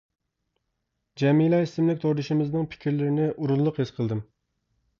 جەمىلە ئىسىملىك توردىشىمىزنىڭ پىكىرلىرىنى ئورۇنلۇق ھېس قىلدىم.